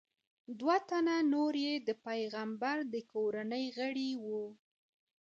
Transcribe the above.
دوه تنه نور یې د پیغمبر د کورنۍ غړي وو.